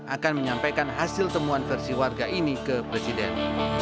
akan menyampaikan hasil temuan versi warga ini ke presiden